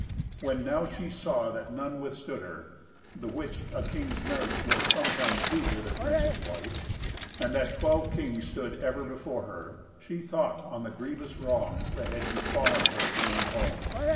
When now she saw that none withstood her (the which a king's knights will sometimes do to their prince's wife), and that twelve kings stood ever before her, she thought on the grievous wrongs that had befallen her in her home.